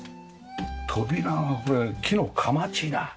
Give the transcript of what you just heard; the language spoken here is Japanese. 扉がこれ木のかまちだ。